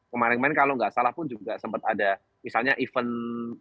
kemarin kemarin kalau nggak salah pun juga sempat ada misalnya event